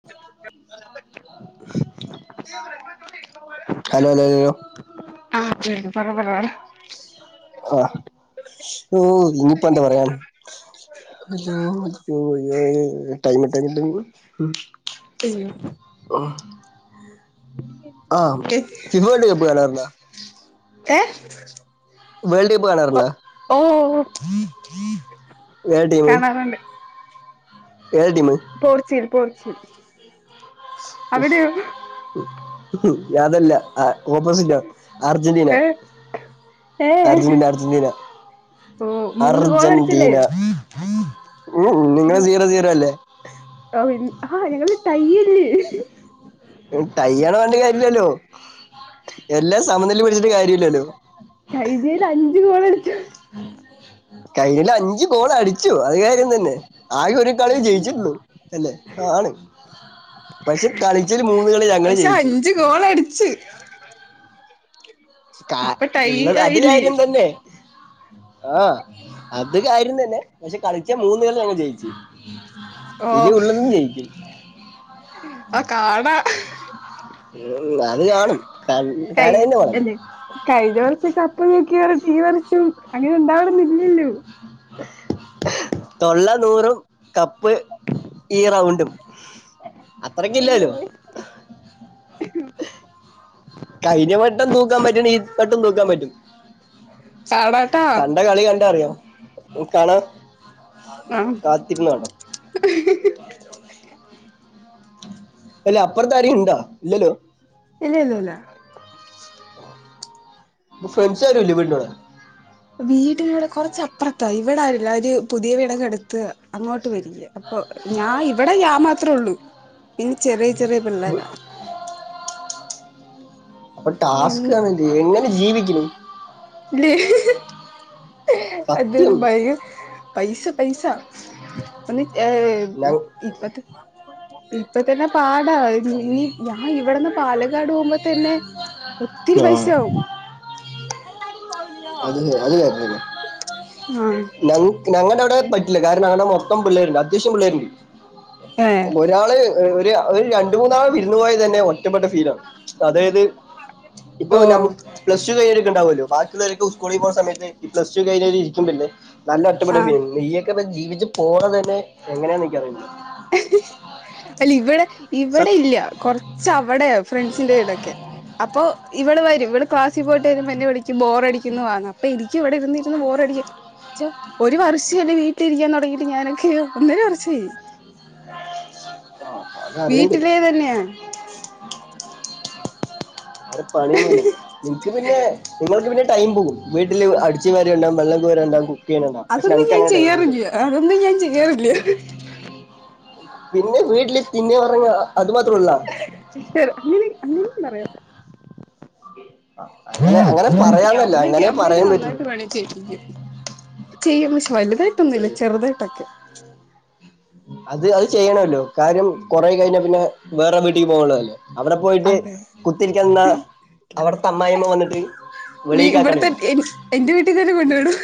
[unintelligible] ഹലോല്ലോ ബബരാാണ് [unintelligible] ആഹ് ഓ ഗ്രൂപ്പ്‌ എന്താ പറയാ ഹലോ ടൈം ഇട്ടാക്കുന്നുണ്ട് ഉ [unintelligible] ആഹ് ഫിഫേൾ [unintelligible] ഡ് കപ്പ് കാണാറുണ്ടാ ഏ വേൾഡ് കപ്പ് ഓ കാണാറിണ്ടാ ഓ [inaudible] ഏ ടീമ് കാണാറുണ്ട് പോർച്ചുഗൽ പോർച്ചുഗൽ ഉം അവിടെയോ അതല്ല ആ ഓപ്പോസിറ്റാ അർജന്റീന ഏ ഏ അർജന്റീന അർജന്റീന ഓ മൂന്ന് ഗോളടിച്ചില്ലേ അർജന്റീനാ നിങ്ങള് സീറോ സീറോ അല്ലേ [unintelligible] ആ ഞങ്ങള് ടയ്യല്ലേ ടയ്യാന്ന് പറഞ്ഞിട്ട് കാര്യല്ലില്ലോ എല്ലാം സമനില പിടിച്ചിട്ട് കാര്യലില്ലോ കഴിഞ്ഞേല് അഞ്ച് ഗോളടിച്ചു കയ്യില് അഞ് അഞ്ച് ഗോളടിച്ചു അത് കാര്യം തന്നെ ആകെ ഒരു കളി ജയിച്ചിട്ടുള്ളൂ അല്ലേ ആണ് പക്ഷെ കളിച്ചതില് മൂന്ന് കളി ഞങ്ങള് പക്ഷെ ജയിച്ചു അഞ്ച് ഗോളടിച്ച് കാ ഇപ്പൊ ടൈ ഉള്ളത് അത് ആയില്ലേ കാര്യം തന്നെ ആഹ് അത് കാര്യം തന്നെ പക്ഷെ കളിച്ച മൂന്ന് കളി ഞങ്ങ ജയിച്ച് ഓ ആ കാണാ ഉം, അത് കാണും കാ- കൈ കാണുക തന്നെ വേണം എല്ലാ കഴിഞ്ഞ ദെവസ ഇപ്പൊ നോക്കിയാ ടീവി വെച്ചും അങ്ങനെ ഉണ്ടാവണംന്നില്ലല്ലോ തൊള്ള നൂറും കപ്പ് ഈ റൗണ്ടും അത്രക്ക് അയ്യോ ഇല്ലല്ലോ കഴിഞ്ഞ വട്ടം തൂക്കാൻ പറ്റണേ ഈ വട്ടം തൂക്കാൻ പറ്റും കാണാട്ടാ കണ്ട കളി കണ്ടാ അറിയാം ഓകാണാ മം അല്ല അപ്പുറത്താരി ഇണ്ടാ ഇല്ലല്ലോ ഇല്ലില്ലില്ലാ ഫ്രണ്ട്സ് ആരൂല്ലേ വീടിൻ്റെവിടെ വീട്ടിലൂടെ കൊറച്ചപ്പുറത്താ ഇവിട ആരൂല്ലാ അവര് പുതിയ വീടെക്കൊ എടുത്ത് അങ്ങോട്ട് പോയ്രികാ ഞാൻ ഇവിടെ ഞാൻ മാത്രേള്ളു ഇനി ചെറിയ ചെറിയ പിള്ളേരാ അപ്പൊ ടാസ്കാണല്ലേ എങ്ങനെ ജീവിക്കുന്നൂ [unintelligible] സത്യം [unintelligible] പൈസ പൈസ [unintelligible] ഏ ഇപത്ത് ഇപ്പ തന്നെ പാടാ ഇനി ഞാൻ ഇവിടന്ന് പാല ക്കാട് പോകുമ്പോ തന്നെ ഒത്തിരി ഞാൻ ആഹ് പൈസാവും അത് അത് [unintelligible] ആഹ് ഞങ്ങക്ക് ഞങ്ങടെ പറ്റില്ലാ കാരണം അവിടെ മൊത്തം പിള്ളേരുണ്ട് അത്യാശ്യം പിള്ളേരുണ്ട് ഏഹ് ഒരാള് ഒരു ഒരു രണ്ട് മൂന്നാള് വിരുന്നു പോയ തന്നെ ഇഷ്ടപ്പെട ഫീലാ അതായത് ഇപ്പോ ഓ നമുക്ക് പ്ലസ് ടു കഴിഞ്ഞിട്ടിണ്ടാവല്ലോ ബാക്കിയുള്ള സ്കൂളിൽ പോവുന്ന സമയത്ത് ഈ പ്ലസ് ടു കഴിഞ്ഞ് ഇരിക്കു മ്പന്നെ നല്ല ഒറ്റപ്പെട്ട ആഹ് ഫീലാ ജീവിച്ചു പോണത് തന്നെ എങ്ങനെയാന്നെനിക്കറിയില്ലാ അല്ല ഇവിടെ ഇവിടെ ഇല്യാ കൊറച്ച് അവിടെയാ ഫ്രണ്ട്സിന്റെ വീടൊക്കെ അപ്പൊ ഇവള് വരും ഇവള് ക്ലാസ്സീ പോയിട്ട് വരുമ്പോ എന്റെ വിളിക്കും ബോറടിക്കുന്നു വാ എന്ന് അപ്പൊ എനിക്ക് എനിക്ക് ഇവിടെ ഇരുന്നിരുന്ന് ബോറടി ഒരു വർഷല്ലേ വീട്ടിലിരിക്കാൻ തൊടങ്ങിയിട്ട് ഞാനൊക്കെയാ ഒന്നര വർഷായി അതറിയണ്ട് വീട്ടിലേ തന്നെയാ വേറെ പണിയൊന്നൂല്ലേ നിനക്ക് പിന്നെ നിങ്ങക്ക് പിന്നെ ടൈം പോകും വീട്ടില് അടിച്ചു വാരാണ്ടാവും വെള്ളം കോരാൻ ഇണ്ടാവും അതൊന്നും ഞാൻ ചെയ്യാറില്ലാ അതൊന്നും ഞാൻ ചെയ്യാറില്ലാ പിന്നെ വീട്ടില് തിന്ന് ഒറങ്ങാ അങ്ങിനെ അങ്ങനെ പറയോ അങ്ങനെ അങ്ങനെ പറയാന്നല്ല അമ്മക്ക് അങ്ങനെ അമ്മക്ക് പറയാൻ പറ്റുള്ളൂ നന്നായിട്ട് പണി ചെയിപ്പിക്കും ചെയ്യും പക്ഷെ വലുതായിട്ടൊന്നും ഇല്ല ചെയ്- ചെറുതായിട്ടൊക്കെ അത് അത് ചെയ്യണല്ലോ കാര്യം കൊറ കഴിഞ്ഞ പിന്നെ വേറെ വീട്ടിലക്ക് പോകള്ളല്ലേ അവിടെ പോയിട്ട് അതെ കുത്തിരിക്കുന്ന അവിടുത്തെ അമ്മായിമ്മ വന്നിട്ട് ഇവിടത്തെ വെളിക്കാക്കണവരും. എന്റെ വീട്ടിൽ തന്നെ കൊണ്ടുവിടും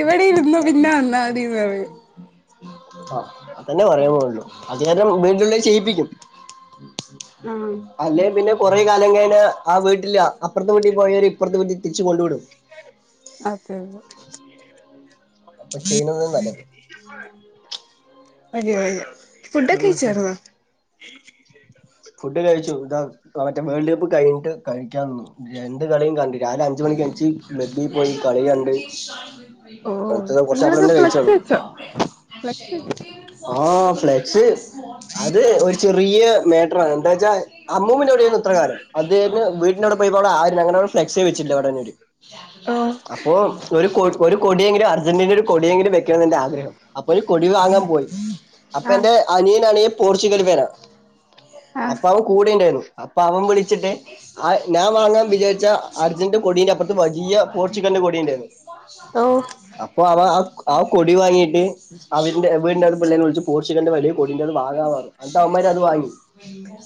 ഇവിടെ ഇരുന്നോ പിന്നെ വന്നാൽ മതിന്ന് പറയും ആ അതന്നെ പറയാൻ പോന്നുള്ളൂ അത് ചെയ്യാൻ വീട്ടിനെ ചെയ്യിപ്പിക്കും ആഹ് അല്ലെ പിന്നെ കൊറെ കാലം കഴിനെ ആ വീട്ടില്ല അപ്പറത്തെ വീട്ടി പോയവര് ഇപ്പുറത്തെ വീട്ടി തിരിച്ച് കൊണ്ട് വിടും അതെതെ അപ്പൊ ചെയാണത് നല്ലത് വരുവാവരുവാ ഉം ഫുഡൊക്കെ കഴി ഉം ച്ചേർന്നോ ആ മറ്റേ വേൾഡ് കപ്പ് കഴിഞ്ഞട്ട് കഴിക്കൻന്നു രണ്ട് കളി കണ്ടിട്ട് രാവിലെ അഞ്ചു മണിക്ക് എന്നീച്ച് ബെ്ബിൽ പോയി കളി കണ്ട് ഓ അന്ത വർഷ നിങ്ങളൊക്കെ എ ഫ്ലെക്സ് കയിിച്ചാലൂ വെച്ചോ ഫ്ലെക്സ് വെച്ചോ [unintelligible] ആ ഫ്ലെക്സ് അത് ഒരു ചെറിയ ട്രി എന്താ വച്ചാ അമ്മു ത്ര കാരം അതപോലെ വീട്ടവിടെ പോവിടെ ആങ്ങന ഫ്ലെക്സ് വെച്ചി അവിട ഓ അപ്പോ [unintelligible] ഒരു ഒരു കോടിയെ‌ക്കിലും അർജന്റീനയുടെ കൊടിയെക്കിലും വെക്കണംഎന്നാണ് എന്റെ ആഗ്രഹം അപ്പൊ ഒരു കൊടി വാങ്ങാൻ പോയി അപ്പൊ ആഹ് എന്റെ അനിയനണിയ പോർച്ചുഗൽ പേര ആഹ് അപ്പ അവൻ കൂടെ ഉണ്ടായിരുന്നു അപ്പൊ അവൻ വിളിച്ചിട്ട് ആ ഞാൻ വാങ്ങാൻ വിചാരിച്ച അർജന്റ് കൊഡിന്റെ അപ്പറത്ത് വലിയ പോർച്ചുഗൽ ഇന്റെ കൊടി ഉണ്ടായിരുന്നു ഓ അപ്പൊ അവ ആ കൊടി വാങ്ങയിട്ട് അവന്റെ വീടിന്റെത് പിള്ളേെ വിളിച്ച് പോർഷികളന്റെ വലിയ കൊടിറ അത് വാങ്ങാവാു അന്നട്ട് അവന്മാർ അത് വാങ്ങി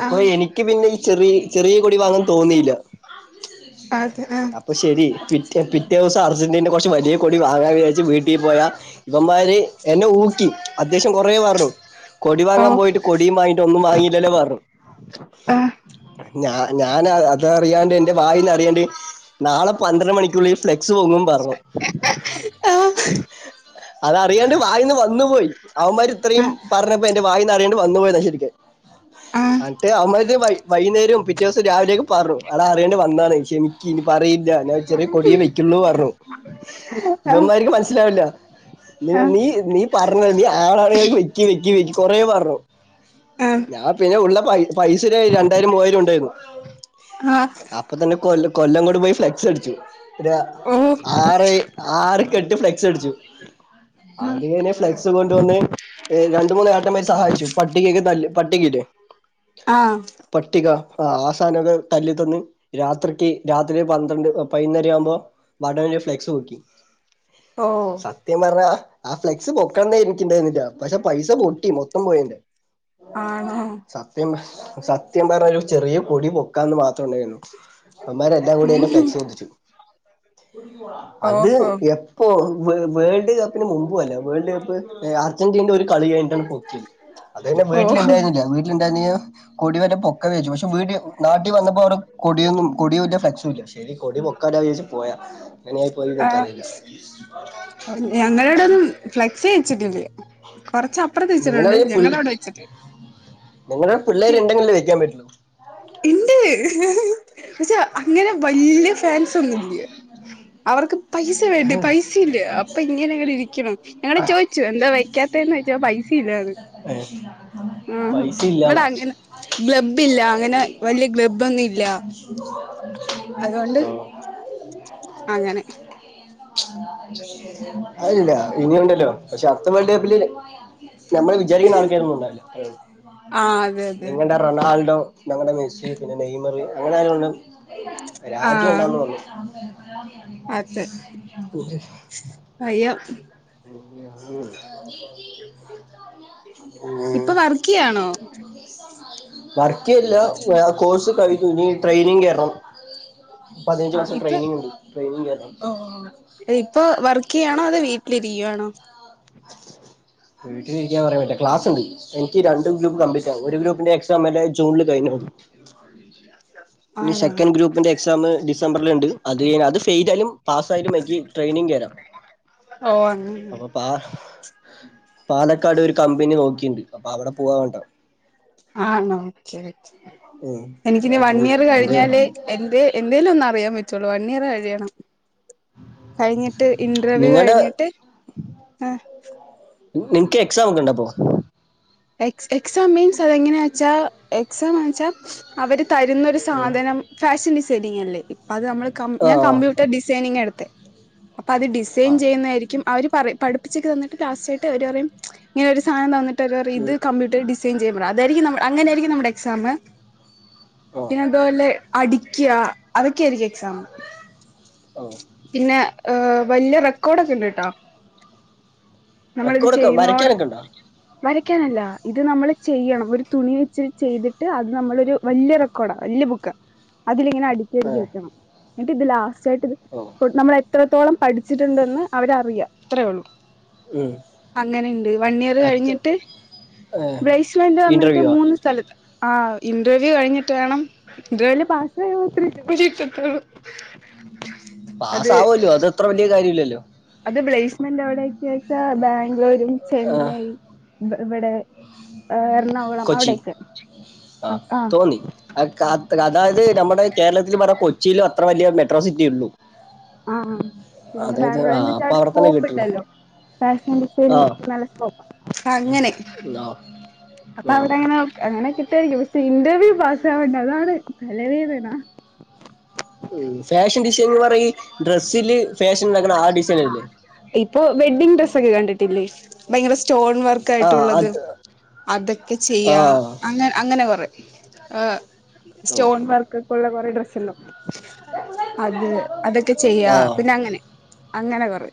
അപ്പൊ ആഹ് എനിക്ക് പിന്നെ ഈ ചെറിയ ചെറിയ കൊടി വാങ്ങാൻ തോന്നിയില്ല അ അതെ ആഹ് [unintelligible] അപ്പൊ ശരി പിറ്റേ പിറ്റേ ദിവസം അർജന്റീനെ കുറച്ച് വലിയ കൊൊടി വാങ്ങാൻ വിചാരിച്ചച്ച് വീട്ടീ പോയാ ഇവന്മാര് എന്നെ ഊക്കി അത്യാശ്യം കൊറെ പറഞ്ഞു കൊടി ഓ വാങ്ങാൻ പോയിട്ട് കൊടിയ വാങ്ങട്ട് ഒന്ന് വാങ്ങിട്ട് ആഹ് ഞ ഞാൻ അത അറിയാണ്ട് എന്റെ വായിന്ന് അറിയാണ്ട് നാളെ പന്ത്രണ്ട് മണിക്കുള്ളഈ ഫ്ലെക്സ് പോങ്ങും പറഞ്ഞു ആഹ് അത അറിയാണ്ട് വായിന്ന് വന്നുപോയി അവന്മാര് ഇത്രയും ആഹ് പറഞ്ഞപ്പോ എന്റെ വായിന്ന് അറിയാണ്ട് വന്നു പോയിന്നാ ശരിക്ക് ആ [inaudible] ആഹ് എന്നട്ട് അവമ്മത് വൈകുന്നേരം പിറ്റേ ദിവസം രാവിലെയേക്ക് പറഞ്ഞു അള അറിയേണ്ട വന്നതാണ് ക്ഷമിക്കക്ക് ഇനി പറയില്ല ഇല്ല ഞാൻ ചെറിയ കൊടിയെ വെക്കുള്ളൂ പറഞ്ഞു ഇവന്മാർക്ക് മനസ്സിലാവില്ല ആഹ് നീ നീ പറഞ്ഞ നീ ആളാഅറിയാതെ വെക്കി വെക്കി വെി കൊറ പറഞ്ഞു ഞാൻ പിന്നെ ഉള്ള പൈസ രണ്ടായിരം മൂവായിരം ഉണ്ടായിരുന്നു ആഹ് ആഹ് ആഹ് അപ്പൊ തന്നെ കൊ കൊല്ലകൊട് പോയി ഫ്ലെക്സ് അടിച്ചു ഓ ആറ് ആറ് കെട്ട് ഫ്ലെക്സ് അടിച്ചു അത് കഴിഞ്ഞ് ഫ്ലെക്സ് കൊണ്ടുവന്ന് രണ്ട മൂന്നാട്ടന്മാര് സഹായിച്ചു പട്ടികൾക്ക് നല്ലല് പട്ടികയില്ലേ ആഹ് പട്ടിക ആ ആസാനൊക്കെ തല്ലിത്തന്ന് രാത്രിക്ക് രാത്രി പന്ത്രണ്ട് പതിനൊന്നര ആവുമ്പോൾ വട ഫ്ലെക്സ് പോക്കി ഓ സത്യം പറഞ്ഞാ ആ ഫ്ലെക്സ് പൊക്കന്ന എനക്ക്ണ്ടായിുന്നില്ല പക്ഷെ പൈസ പൊട്ടി മൊത്തം പോയിന്റെ ആണോ സത്യം സത്യം പറഞ്ഞ ഒരു ചെറിയ കൊടി പൊക്കാന്ന് മാത്രം ഉണ്ടായിരുന്നു അവന്മാരെ എല്ലാ കൂടി എന്റെ ഉം ഫ്ലെക്സ് പൊന്തിച്ചു അത് ഓഹോ എപ്പൊ വേവേൾഡ് കപ്പിന് മുമ്പും അല്ല വേൾഡ് കപ്പ് അർജന്റീനയുടെ ഒരു കളിയായിട്ടാണ് പൊട്ടി അത് തന്നെ ഓഹ് വീട്ടിലിണ്ടായിരുന്നില്ല വീട്ടിലിണ്ടായിരുന്ന കൊടിവരെ പൊക്ക വേക്ക വോ ട്യുഷൻവീട്ടില് നാട്ടിൽ വന്നപ്പോ അവ കൊടിയൊന്നും കൊടിയും ഫ്ലെക്സ ഇല്ല ശരി കൊടി പൊക്കാല വിചാരിച്ച് പോയതാ ആ ഞങ്ങളോട ഒന്നും ഫ്ലെ ളക്സ് വെച്ചിട്ടില്ലോ കൊറച്ച അപ്പുറത്ത് വച്ചിട്ടുണ്ട് നിങ്ങളുടെ ഞങ്ങളൾ പിള്ളേ അവിടെ വെച്ചിട്ടില്ല നിങ്ങളുടെ പിള്ളേര് ഉണ്ടെങ്കിലെവെക്കാൻ പറ്റുള്ളൂ ഇണ്ട് പക്ഷെ അങ്ങനെ വലിയ ഫാൻസ് ഒന്നും ഇല്ല അവർക്ക് പൈസ വേണ്ട പൈസ ഇല്ലഅപ്പൊ ഇങ്ങനെ ഇങ്ങെ ഇരിക്കണം ഞങ്ങൾ ചോദിച്ചു എന്താ വെക്കാത്തന്ന് ചൊദിച്ചുപൈസ ഇല്ലതെ ഏ പൈസ ഇല്ല ഇവിടെ അങ്ങനെ ഗ്ലബ്ബ് ഇല്ല അങ്ങനെ വലിയ ഗ്ലബ്ബന്നും ഇല്ല അതുകൊണ്ട് അ അങ്ങനെ അയില്ല ഇനിയുണ്ടല്ലോ പക്ഷെ അടുത്ത വേൾഡ് കപ്പില് നമ്മൾ വിചാരിക്കുന്ന ആൾക്കതൊന്നും ഉണ്ടാവില്ല ആഹ് അതെ അതെ അതെ നിങ്ങളുടെ റൊണാൾഡോ ഞങ്ങളുടെ മെസ്സി പിന്നെ നെയ്മറി അങ്ങനെ ആ രാജ്യം ആഹ് ഉണ്ടാവന്ന് പറഞ്ഞു അതെ [unintelligible] അയ്യോ [unintelligible] ഇപ്പൊ വർക്ക് ചെയ്യാണോ വർക്ക്ല്ല കോഴ്സ് കഴിഞ്ഞു ഇനി ട്രെയിനിങ് കയറണം പതിനഞ്ച് ആ മാസം ഇപ്പൊ ട്രയിനിങ് ഉണ്ട് ട്രെയിനിങ് കേറണം ഓ ഇപ്പൊ വർക്ക് ചെയ്യാണോ അത വീട്ടിലിരിക്കുവാണോ വീട്ടിൽരിക്കൻയാൻ പറ്റ ക്ലസ് ഉണ്ട് എനി രണ്ട് ഗ്രൂ്പ്പ് കപ്പ്ലീറ്റ് ആ ഒരു ഗ്രൂപ്പിന്റെ എക്സാം ജൂണിൽ കഴിഞ്ഞു അ ഇ ആണോ സെക്കൻഡ് ഗ്രൂപ്പിന്റെ എക്സാം ഡിസംബറില് ഉണ്ട് അത് അത് ഫെൽ ആ യാലും പാസ് ആയാലു ഒരു മക്കിട്രെയിനിങ് കൊറം ഓ അങ്ങനെ അപ്പൊ പാലക്കാട് ഒരു കമ്പനി നോക്കിയിണ്ട് അപ്പൊ അവിടെ പോവാ വേണ്ടത് ആണോ ഒക്കെ ഉം എനിക്കിനി വൺ അപ്പൊ ഇയർ എന്ത് കഴിഞ്ഞാലെ എന്തേലും ഒന്ന്അറിയാൻ പറ്റോ ഒരു വണിയർ കഴിയണം കഴിഞ്ഞിട്ട് ഇന്റർവ്യൂ നിങ്ങളുടെ കഴിഞ്ഞിട്ട് ആഹ് നിനക്ക് എക്സാം ഒക്കെ ഉണ്ടോഅപ്പൊ എക് എക്സാം മീൻസ് അതെങ്ങനെയാ വച്ചാൽ എക്സാംന്ന് വെച്ചാ അവര് തരുന്നൊരു ഉം സാധനം ഫാഷൻ ഡിസൈനിങ് അല്ലേ ഇപ്പം അത് നമ്മൾ കം ഞാൻ ആഹ് കമ്പ്യൂട്ടർ ഡിസൈനിങ്ങ് എടുത്ത അപ്പൊ അത് ഡിസൈൻ ആഹ് ചെയ്യുന്നതായിരിക്കും അവര് പറയും പഠിപ്പിച്ചൊക്ക തന്നിട്ട് ലാസ്റ്റ് ആയിട്ട് പറയും ഇങ്ങനെ ഒരു സധനം തന്നിട്ട് ഇ ഉം. കമ്പ്യൂട്ടർ ഡിസൈൻ ചെയ്യാൻ പറയും അതായിരിക്കും ന അങ്ങനെ ആയിരിക്കും നമ്മുടെ എക്സാമ് ഓ പിന്നെ അതുപോലെ അടിക്കുക അതൊക്കെയായിരിക്കും എക്സാമ്പിൾ ഓ പിന്നെ ഏ വലിയ റെക്കോർഡൊക്കെ ഇണ്ട് ട്ടോ നമ്മളിത് റെക്കോർഡൊക്കെ ചെയ്യുന്ന വടെ വരയ്ക്കാനൊക്കെ ഉണ്ടോ വരയ്ക്കാനല്ല ഇത് നമ്മള് ചെയ്യണം ഒരു തുണി വെച്ച്ട്ട് ചെയ്തിട്ട് അത് നമ്മളൊരു വലിയ റെക്കോർഡാണ് വലി ഒറ്റ ബുക്കാ അതിലിങ്ങനെ അടുക്കി അടി ഏ വെക്കണം എന്നിട്ട് ഇത് ലാസ്റ്റ് ആയിട്ട് ഓ നമ്മൾ എത്രത്തോളം പഠിച്ചിട്ടുണ്ടെന്ന് അവരറിയ ഇത്രേയള്ളൂ ഉം. അങ്ങനെയുണ്ട് വൺ ഇയർ അത് കഴിഞ്ഞിട്ട് ഏ ബ്രൈശ്ലലന്റ ‌വന്നിട്ട് ഇന്റർവ്യൂവാ മൂന്ന് സ്ഥലത്ത് ആഹ് ഇന്റർവ്യൂ കഴിഞ്ഞിട്ട് വേണം ഇന്റർവ്യൂൽ പാസ് ആയാൽ മാത്രം ജോലി കിട്ടുള്ളൂ പാസ്ആവുല്ലോ അത്ര വലിയ കാര്യം മല്ലല്ലോ അത് പ്ലേസ്മെന്റ് എവിടെക്കെ വെച്ചാ ബാംഗ്ലൂരും ആ, ചെന്നൈ ഇവിടെ എറണാകുളം കൊച്ചി അവിടെക്കെ ആ തോന്നി കാത് അതായത് നമ്മുടെ കേരളത്തില് പറ കൊച്ചിയിലോ അത്ര വലിയ മെഡ്രോ സിറ്റിയ ഉള്ളു ആഹ് പിന്നെ ആ ബാംഗ്ലൂർന്ന് വെച്ചാ അപ്പൊ അവിടെ തന്നെ സ്കോപ്പ് കിട്ടുള്ളൂ ഉണ്ടല്ലോ ഫാഷൻ ആ ഡിസൈനിങ് ഒ നല്ല സ്കോപ്പ് അ അങ്ങനെ ആ, അപ്പൊ ഓ അവിടെങ്ങനെ അങ്ങനെെ രിക്കും പക്ഷെ ഇന്റെർവ്യൂ പാസാവണ്ടേ അതാണ് തലവേദന ഉം ഫാഷൻ ഡിസൈൻന്ന് പറഞ്ഞ ഡ്രസ്സില് ഫാഷൻാക്ക ആ- ഡിസൈൻ അല്ലേ ഇപ്പോ വെഡ്ഡിങ് ഡ്രസ്ക്കെ കണ്ടിട്ടില്ലേ ഭയങ്കര സ്റ്റോ- ആ വർക്കായിട്ടുള്ളത് അത് അതൊക്കെ ആ ചെയ്യാ അങ്ങ അങ്ങനെ കൊറെ- ആ ഓ സ്റ്റോൺ വർക്ക് ഒക്കെ ഉള്ള കുറെ ഡ്രസ്സല്ലോ അത് അതൊക്കെ ചെയ്യാ ആ പിന്നെ അങ്ങനെ അങ്ങനെ കുറെ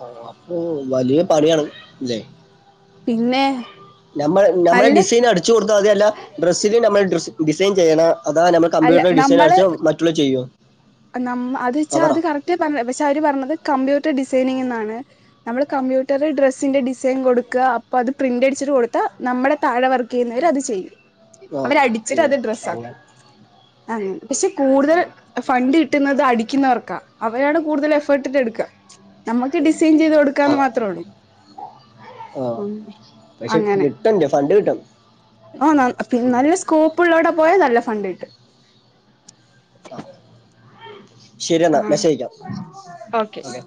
ആ അപ്പൊ വലിയ പണിയാണ് ഇല്ലെ പിന്നെ ഞമ്മൾ നമ്മളെ നല്ല ഡിസൈൻ അടിച്ചു കൊടുത്താൽ അതല്ല ഡ്രസ്സില് ഞമ്മെ ഡ്ര ഡിസൈൻ ചെയ്യണം അതാണ് ഞമ്മൾ കമ്പ്യൂട്ടറിൽ ഡിസൈൻ അടച്ചോ മറ്റുള്ള ചെയ്യോ? അത് നമ്മ അത് വെച്ചാ അവറ കറക്റ്റ് പറഞ്ഞ പക്ഷെ അവര് പറഞ്ഞത് കമ്പ്യൂട്ടർ ഡിസൈ ഡിസൈനിംങ്ങാണ് നമ്മള് കംമ്പ്യൂട്ടറ് ഡ്രസ്സിൻ്റെ ഡിസൈനിംങ് കൊടുക്കാ അപ്പോ അത് പ്രിൻ്റടിച്ചിട്ട് കൊടുത്താ ന നമ്മടെ താഴെവർക്ക് ചെയ്യുന്നവര് അത് ചെയ്യും ആ അവരടിച്ചിട്ട് ഉം, അത് ഡ്രസ്സ് അങ്ങനെ ആക്കും അങ്ങനെ പക്ഷെ ആ, കൂടുതൽ ഫണ്ട് കിട്ടുന്നത് അടിക്കുന്നവർക്കാ അവരാണ് കൂടുതൽ എഫേർട്ടിട്ട എടുക്കുക നമ്മുക്ക് ഡിസൈൻ ചെയ്ത് ആ കൊടുക്കാന്ന് മാത്രേ ഉള്ളൂ ആ ഉം പക്ഷെ അങ്ങനെ കിട്ടണ്ടേ ഫണ്ട് കിട്ടും ആ നന്നാ പിന്നെ ഉം. നല്ല സ്കോപ്പ് ഉള്ളവടെ പോയാ നല്ല ഫണ്ട് കിട്ട് ശരിയെന്നാ ആഹ് മെശേയിക്കാം ഓക്കെ